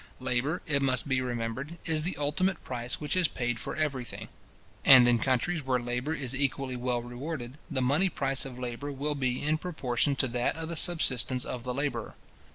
Labour, it must be remembered, is the ultimate price which is paid for every thing; and in countries where labour is equally well rewarded, the money price of labour will be in proportion to that of the subsistence of the labourer.